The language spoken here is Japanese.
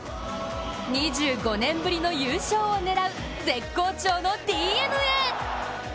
２５年ぶりの優勝を狙う絶好調のＤｅＮＡ。